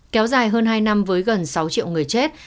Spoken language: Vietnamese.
kéo dài hơn hai năm với gần sáu triệu người chết